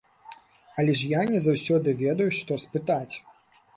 Але ж я не заўсёды ведаю, што спытаць.